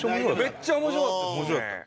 めっちゃ面白かったですよね。